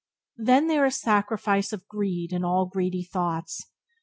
Then there is the sacrifice of greed and all greedy thoughts.